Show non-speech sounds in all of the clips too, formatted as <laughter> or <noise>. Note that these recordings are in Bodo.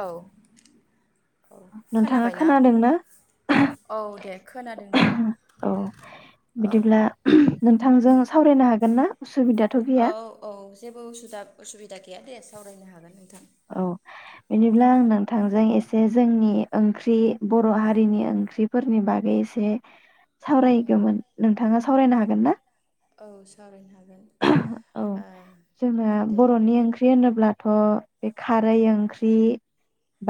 औ। औ नोंथाङा खोनाबाय ना खोनादोंना? औ दे खोनादों दे औ औ। बिदिब्ला नोंथांजों सावरायनो हागोन ना? उसुबिदाथ' गैया औ औ जेबो उसुदा-उसुबिदा गैया देस सावरायनो हागोन नोंथा। औ बिनिब्ला नोंथांजों एसे जोंनि ओंख्रि बर' हारिनि ओंख्रिफोरनि बागै एसे सावरायगौमोन नोंथाङा सो सावरायनो हागोन ना? औ सावरायनो हागोन औ आ दे। थ'। बे खारै उम ओंख्रि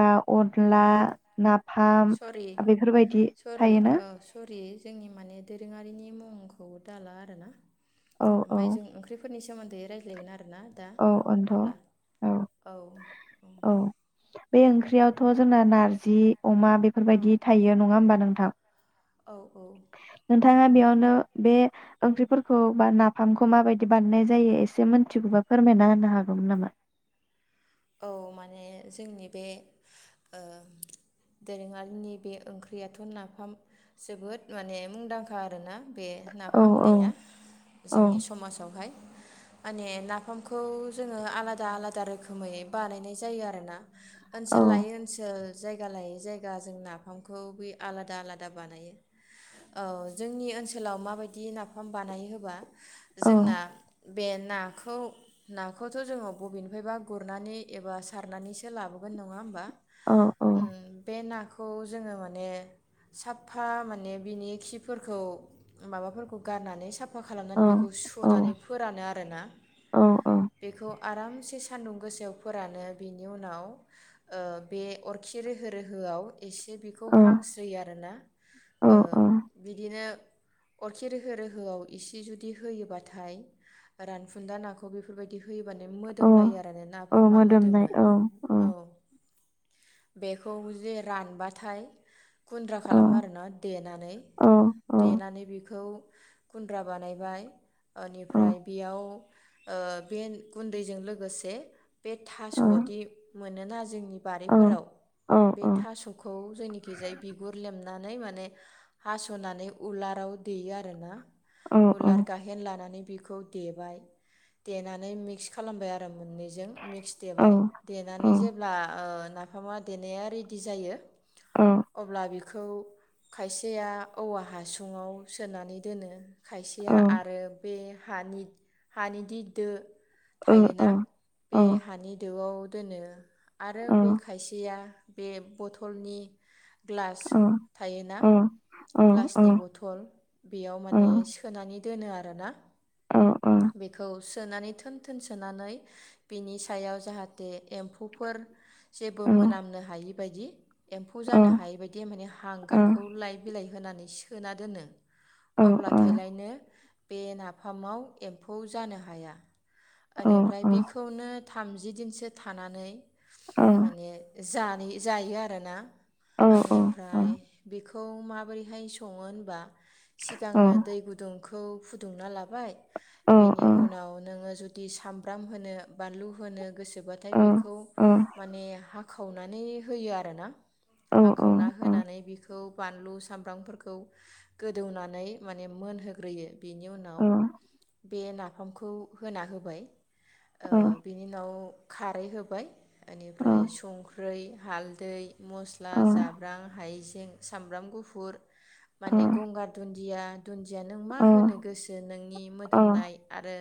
बाव उम अनला नाफाम सरि बेफोरबायदि सरि थायोना औ सरि जोंनि माने दोरोङारिनि मुंखौ दाला आरो ना। औ औ ओमफाय जों ओंख्रिफोरनि सोमोनदै रायज्लाइगो नाथ आरो ना दा औ ओनथ' अब्ला औ औ। बे ओंख्रियावथ' जोंना नारजि अमा बेफोरबायदि थायो नङा होमबा नों औ औ। थाङा बेयावनो बे ओंख्रिफोरखौ बा नाफामखौ माबायदि बानायनाय जायो एसे मोनथिगौबा फोरमायना होनो हागौमोन नामा औ माने जोंनि बे ओ दोरोङारिनि बे ओंख्रियाथ' नाफाम जोबोद माने मुंदांखा आरोना बे औ नाफाम होनाया जोंनि औ समासवहाय माने नाफामखौ जोङो आलादा आलादा रोखो गुमैयै बानायनाय जायो आरो ना औ ओनसोल लायो ओनसोल जायगा लायै जायगा जों नाफामखौ बे आलादा आलादा बानायो औ जोंनि ओनसोलाव माबायदि नाफाम बानायो होबा औ जोंना बे नाखौ नाखौथ' जोङो बबेनिफायबा गुरनानै एबा सारनानैसो लाबोगोन नङा होमबा? औ उम बे ना खौ जोङो माने साफ्फा माने बिनि खिफोरखौ माबाफोरखौ गारनानै साफ फा औ खालामनानै बेखौ सुनानै फोरानो आरोना औ बेखौ आरामसे सान्दुं गोसायाव फोरानो बिनि उनाव ओ बे अरखि रोहो रोहोआव एसे बेखौ औ हांस्रोयो आरोना। औ ओ बिदिनो अरखि रोहो रोहोआव इसे जुदि होयोबाथाय रानफुन्दा नाखौ बेफोरबायदि होयो बानो औ मोदोम लायो आरो। आरो औ नाफामा मोदोमनाय मोदोमो औ औ। बेखौ जे रानबाथाय गुन्द्रा औ खालामो आरोना देनानै, औ देनानै बेखौ गुन्द्रा बानायबाय औ ओनिफ्राय बियाव ओ बे गुन्दैजों लोगोसे बे बे औ थास'अदि मोनोना जोंनि औ बारिफोराव औ बे थास'खौ जोंनिखैजाय बिगुर लेमना नै माने हास'नानै उलाराव देयो आरोना। औ उलार गाहेन लानानै बिखौ देबाय देनानै मिक्स खालामबाय आ मोननैजों मिक्स देबाय, देनानै जेब्ला ओ नाफामा देनाया रेडि जायो। ओ अब्ला बिखौ खायसेया औवा हासुङाव सोनानै दोनो। खायसेया आरो बे हानि हानि दि दो ओ थायोना अह। बे हानि दोवाव दोनो आरो बे खायसेया बे बथलनि ग्लास औ थायोना औ औ औ ग्लासनि बथल बेयाव औ माने सोनानै दोनो आरोना औ औ बेखौ सोनानै थोन थोन सोनानै बिनि सायाव जाहाथे एम्फौफोर औ जेबो मोनामनो हायि बायदि, एम्फौ जानो हायि बायदि माने हांगारखौ लाइ बिलाइ होनानै सोना दोनो। अब्लाथायलायनो बे नाफामाव एम्फौ जानो हाया एनिफ ओमफ्राय बेखौनो थामजि दिनसो थानानै औ माने जायो जायोआरोना आनिफ्राय बेखौ माबोरैहाय संङो होनबा सिगाङो दै गुदुंखौ खौ फुदुंना लाबाय बेनि उनाव नोंङो जुलि साम ब्राम होनो बानलु होनो गोसो जोबाथाय बेखौ माने हाखावनानै होयो आरोना हाखावना होना होनानै बेखौ बानलु सामब्रामफोरखौ गोदौनानै माने मोनहोग्रोयो बेनि उनाव बे नाफामखौ होना होबाय औ ओ औ बिनि उनाव खारै होबाय बेनिफ्राय संख्रि, हालदै मस्ला, औ जाब्रां, हाइजें, सामब्राम गुफुर, माने गंगार दुन्दिया दुन्दिया नों मा होनो गोसो नों नि मोदोमनाय आरो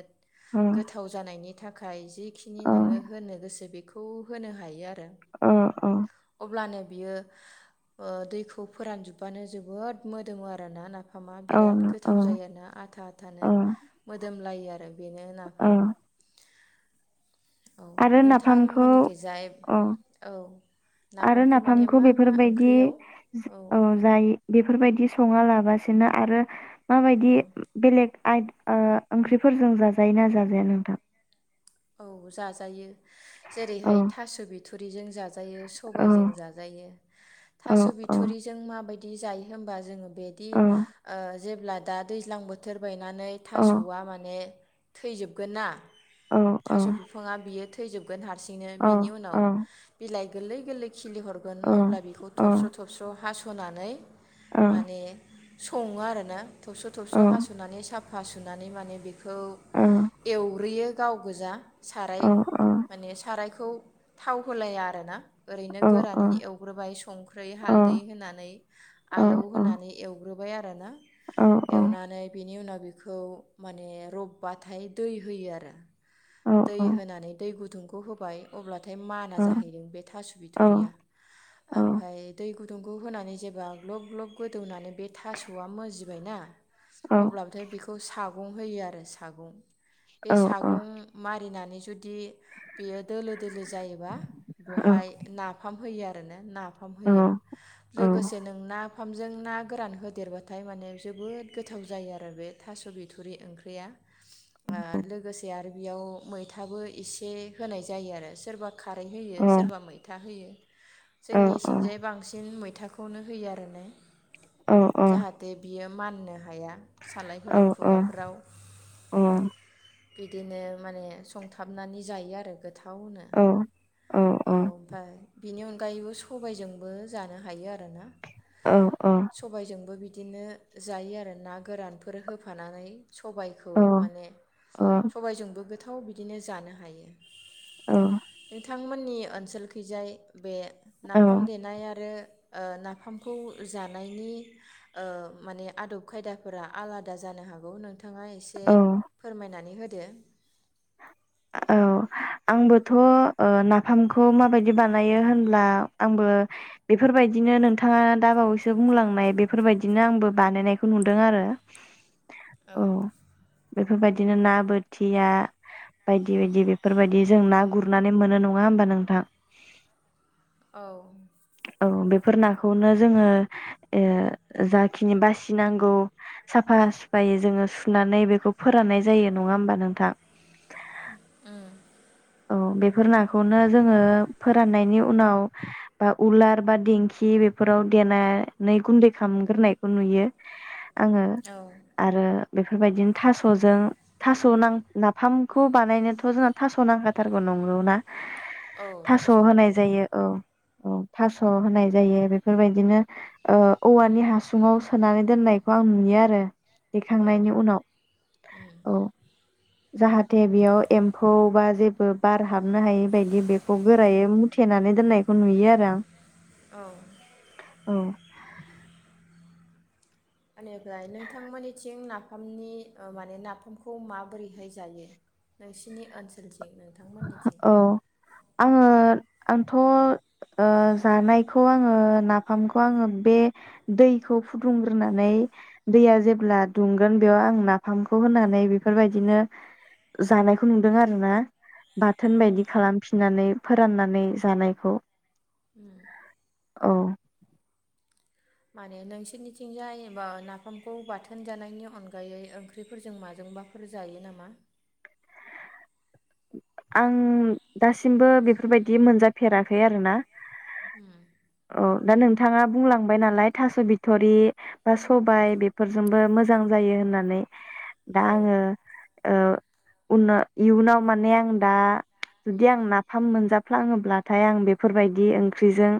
गोथाव गोथाव जानायनि थाखाय जिखिनि नोङो होनो गोसो बेखौ होनो हायो आरो अब्लानो बियो ओ दैखौ फोरानजोबबानो जोबोद मोदोमो आरोना नाफामा बिराद गोथाव जायो आरोना आथा आथानो मोदोमलायो आरो बेनो नाफाम, औ आरो नाफामखौ नोंथांमोननिखैजाय औ औ आरो माने नाफामखौ मा मा बेफोरबायदि ओंख्रियाव औ जाय बेफोरबायदि सङा लाबासिनो आरो माबायदि औ बेलेग आइ ओ ओंख्रिफोरजों जाजायो ना जाजाया नोंथां? औ जाजायो औ जेरैहाय थास बिथ फुरिजों जा जाजायो औ सबायजों जाजायो औ थास औ बिथरिजों माबायदि बिदि जायो होनबा जोङो बिदि औ ओ जेब्ला दा दैज्लां बोथोर बाय नानै औ थासआ माने थैजोबगोन ना औ औ थास बिफाङा बियो थै थैजोब हारसिंनो बिनि उनाव औ बिलाइ गोरलै गोरलै खिलि हरगोन अब्ला बेखौ औ थबस्र थबस्र हास' होनानै औ माने सङो आरोना थौस' औ थौबस' हास'नानै साफ हासनानै माने बे खौ औ एवग्रोयो <unintelligible> गोजा साराय औ माने सारायखौ खौ थाव होलाया आरोना ओरैनो औ गोरानै औ एवग्रोबाय संख्रि हालदै होनानै आलौ औ होनानै एवग्रो बाय आरोना एवनानै बिनि उनाव बेखौ माने रबबाथाय दै होयो आरो दै होनानै दै गुदुं खौ होबाय अब्ला थाय माना जाहैबाय बे थास' बिथ'रिया ओमफ्राय दै गु दुंखौ होनानै जेब्ला ग्लब ग्लब गोदौनानै बे थास'आ मजिबाय ना अब्लाबोथाय' बेखौ साग गं होयो आरो सागं बे औ औ सागं मारिनानै जुदि बेयो दोलो दोलो जायोबा बहाय नाफाम होयो आरो <unintelligible> नाफाम होयो लोगोसे नों ना फामजों ना गोरान होदेरबाथाय माने जोबोद गोथाव जायो आरो बे थास' बिथुरि ओंख्रिया ओ लोगोसे आरो बेयाव मैथाबो एसे होनाय जायो आरो सोरबा खारै होयो सोरबा मैथा होयो जोंनि औ सिंजाय बांसिन मै थाखौनो होयो आरोना औ औ जाहाथे बियो माननो हाया औ सालायफोराव खुगाफोराव औ बिदिनो माने संथाबनानै जायो आरो गो थावनो औ औ ओमफाय बिनि अन गायैबो सबायजोंबो जानो हायो आरोना सबायजोंबो बि दिनो जायो आरो ना गोरानफोर होफानानै सबायखौ औ माने सयजोंबो गोथाव बिदिनो जानो हायो थांमोननि ओनसोलखैजाय बे नाफाम देनाय आरो ओ नाफामखौ जानायनि ओ माने आदब खायदाफोरा आलादा जानो हागौ नोंथां थांङा एसे औ फोरमायनानै होद दो औ आंबोथ' ओ नाफामखौ माबायदि बानायो होनब्ला आंबो बेफोरबायदिनो नोंथाङा दाबावैसो बुंलांनाय बेफोरबायदिनो आंबो बानायनायखौ नुदों आरो औ बेफोरबायदिनो ना बोथिया बायदि बायदि बे फोरबायदि जों ना गुरनानै मोनो नङा ङा होमबा नोंथां? औ औ बेफोर नाखौनो जोङो ओ जाखिनि बासिनांगौ साफा सुफायै जोङो सुनानै बेखौ फोराननाय जायो नङा होमबा नोंथां? उम औ बेफोर नाखौनो जोङो फोराननायनि उनाव बा उलार बा दिेंखि बेफोराव देनानै गुन्दै खालामग्रोनायखौ नुयो। आङो औ आरो बेफोरबायदिनो थास'जों थास' नां नाफामखौ बानायनोथ' जों थास' नांखाथारगौ नंगौ ना? औ थास' होनाय नांगौ जायो औ औ थास' होनाय जायो। बेफोरबायदिनो ओ औवानि हासुङाव सोनानै दोननायखौ आं नुयो आरो। औ देखांनायनि उनाव औ जाहाथे बेयाव एम्फौ बा जेबो बार हाबनो हायि बायदि बेखौ गोरायै मुथेनानै दोननाय खौ नुयो आरो आं। औ औ एनिफ्राय नोंथांमोननिथिं नाफामनि ओ माने नाफामखौ माबोरैहाय जायो? नोंसिनि ओनसोल थिं नोंथांमोननिथिं। औ आङो आंथ' ओ जानायखौ आङो नाफामखौ आङो बे दैखौ फुदुंग्रोनानै दैया जेब्ला दुंगोन बेयाव आं नाफामखौ होनानै बेफोरबायदिनो जानायखौ नुदों आरो ना। बाथोन बायदि खालामफिननानै फोराननानै जानायखौ उम औ माने नोंसोरनिथिंजाय बा नाफामखौ बाथोन जानायनि अनगायै ओंख्रिफोरजों माजोंबाफोर जायो नामा? आं दासिमबो बेफोरबायदि मोनजाफेराखै आरो ना। उम औ दा नोंथाङा बुंलांबाय नालाय थास' बि थ'रि बा सबाय बेफोरजोंबो मोजां जायो होननानै। दा औ आङो ओ उना इयुनाव माने आं दा जुदि आं नाफाम मोनजाफ्लाङोब्लाथाय आं बेफोरबायदि ओंख्रिजों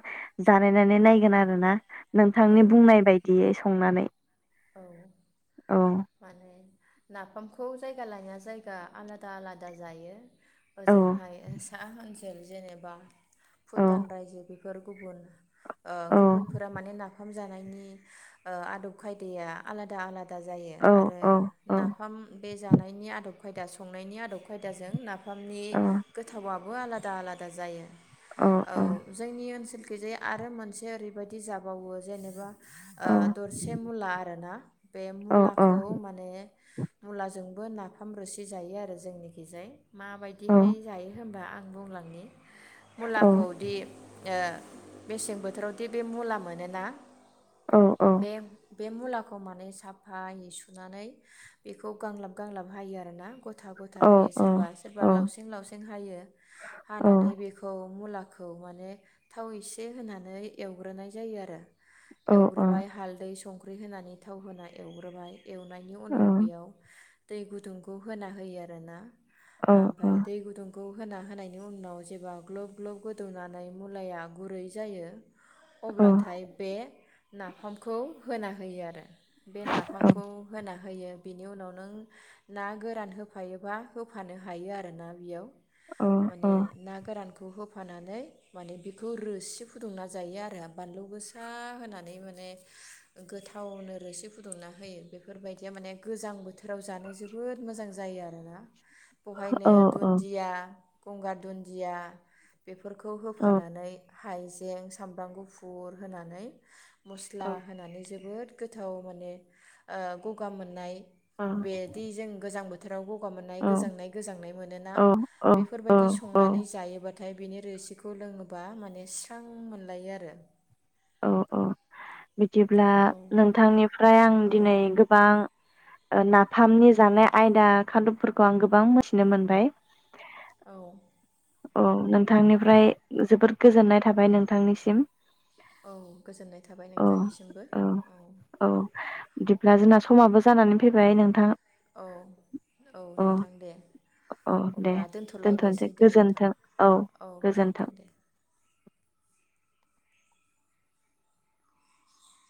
जानायनानै नायगोन आरो ना। नोंथांनि औ बुंनाय बायदियै‌। संनानै औ। औ माने नाफामखौ जायगा लाना जायगा आलादा आलादा जायो। औ ओजोंहाय ओ सा <unintelligible> जेनेबा औ भुतान रायजो <unintelligible> गुबुन ओ औ गुबुनफोरा माने ना फाम जानायनि आदब खायदाया आलादा आलादा जायो औ आरो औ नाफाम बे जानायनि आदब खायदा संनायनि आदब खायदाजों ना फामनि गोथावा बो आलादा आलादा जायो। औ जोंनि ओनसोल आरो मोनसे ओरैबायदि जाबावो जेनेबा ओ औ दरसि मुला आरोना बे औ मुलाखौ माने मुलाजों नाफाम रोसि जायो आरो जोंनिखिजाय माबायदिहाय जायो होनबा आं बुंलांनि मुलाखौ दि ओ मेसें बोथोरावदि बे मुला मोनोना बे बे मुलाखौ माने साफायै सुनानै बेखौ गांलाब गांलाब हायो आरोना गथा गथा हायो सोरबा सोरबा लावजें लावजें हायो हानानै बेखौ मुला खौ माने थाव एसे होनानै एवग्रोनाय जायो आरो एवग्रोबाय हालदै स संख्रि होनानै थाव होना एवग्रोबाय एवनायनि उनाव बेयाव दै गुदुंखौ होना होयो आरो ना ओमफ्राय दै गुदुं खौ होना होनायनि उनाव जेबब्ला ग्लब ग्लब गोदौनानै मुलाया गुरै जायो अब्लाथाय बे नाफामखौ होना होयो आरो बे नाफामखौ होना होयो बिनि उनाव नों ना गोरान होफायोबा होफानो हायो आरो ना बेयाव माने ना गोरानखौ बेखौ होफानानै माने बेखौ रोसि फुदुंना जायो आरो बानलु गोसा होनानै माने गोथावनो रोसि फुदुंना होयो बेफोरबायदिया माने गोजां बोथोर फोराव जानो जबोद मोजां जायो। जायो आरोना! बेहायनो दुन्दिया गंगार दुन्दिया। बेफोरखौ होफानानै हाइजें सामब्राम गुफुर होनानै मस्ला औ होनानै। जोबोद गोथाव माने गगा मोननाय। औ औ बेदि जों गोजां बोथोर। थोरावबो। गगा मोननाय गोजांनाय गोजांनाय मोनोना बेफोर बादि संनानै जायोबा थाय बिनि रोसिखौ लोङोबा माने स्रां मोनलायो आरो। औ औ। बिदिब्ला औ नोंथांनिफ्राय आं औ दिनै गोबां। नाफामनि जानाय आयदा खादबफोरखौ आं गोबां मिथिनो मोनबाय औ। औ नोंथांनिफ्राय जोबोद गोजोननाय थाबाय नोंथांनिसिम। औ गोजोननाय थाबाय औ नोंथांनिसिमबो औ। औ बिदिब्ला जोंना समाबो जानानै फैबाय नोंथां। औ औ अ नोंथां दे अ दे अब्ला दोनथ'नोसै दोनथ'लायनोसै। दे नोंथां गोजोन्थों औ गोजोन्थों।